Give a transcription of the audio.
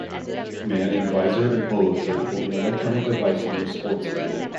Man in visor and polo shirt holding electronic device near a sports field